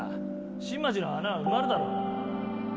新町の穴は埋まるだろう